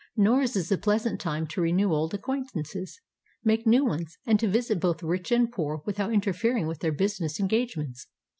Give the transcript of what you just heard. Noruz is a pleasant time to renew old acquaintances, make new ones, and to visit both rich and poor without interfering with their business engagements.